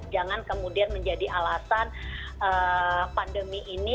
jangan kemudian menjadi alasan pandemi ini